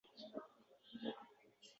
Ayniqsa, hozirgi zamonda.